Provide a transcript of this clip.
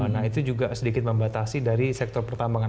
nah itu juga sedikit membatasi dari sektor pertambangan